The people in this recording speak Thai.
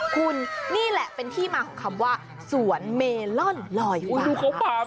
คุณนี่แหละเป็นที่มาของคำว่าสวนเมลอนลอย